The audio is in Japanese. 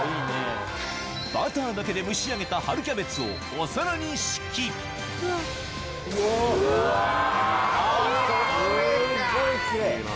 バターだけで蒸し上げた春キャベツをお皿に敷きキレイ！